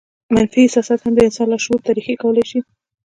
منفي احساسات هم د انسان لاشعور ته رېښې کولای شي